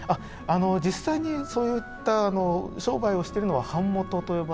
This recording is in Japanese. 実際にそういった商売をしてるのは版元と呼ばれる。